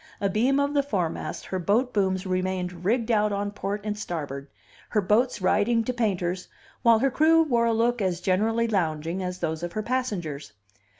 Abeam of the foremast her boat booms remained rigged out on port and starboard, her boats riding to painters, while her crew wore a look as generally lounging as that of her passengers.